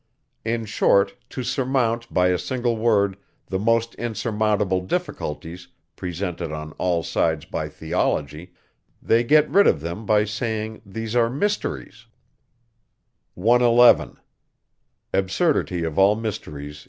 In short, to surmount, by a single word, the most insurmountable difficulties, presented on all sides by theology, they get rid of them by saying, these are mysteries!